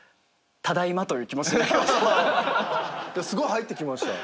すごい入ってきました。